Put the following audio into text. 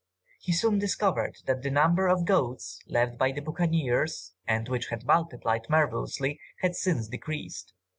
He soon discovered that the number of goats, left by the buccaneers, and which had multiplied marvellously, had since decreased.